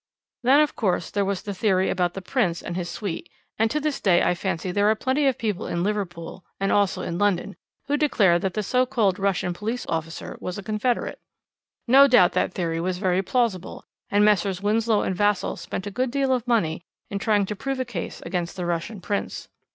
"Then, of course, there was the theory about the Prince and his suite, and to this day I fancy there are plenty of people in Liverpool, and also in London, who declare that the so called Russian police officer was a confederate. No doubt that theory was very plausible, and Messrs. Winslow and Vassall spent a good deal of money in trying to prove a case against the Russian Prince.